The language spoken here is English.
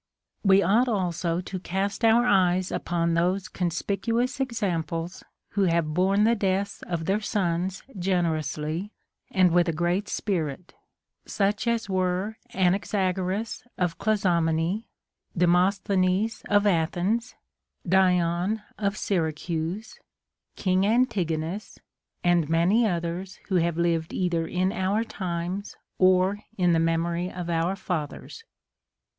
33. We ought also to cast our eyes upon those conspic uous examples who have borne the deaths of their sons generously and with a great spirit ; such as were Anaxa goras of Clazomenae, Demosthenes of Athens, Dion of Syracuse, King Antigonus, and many others who have lived either in our times or in the memory of our fathers.